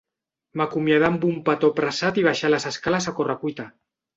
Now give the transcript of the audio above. M'acomiadà amb un petó apressat i baixà les escales a corre-cuita.